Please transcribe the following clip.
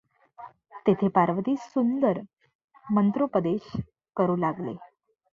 तेथे पार्वतीस सुंदर मंत्रोपदेश करू लागले.